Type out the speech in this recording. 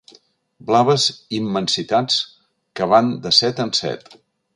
Blaves immensitats que van de set en set.